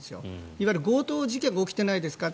いわゆる、強盗事件が起きていないですかと。